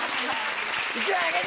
１枚あげて！